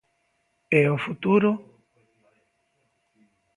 E o futuro?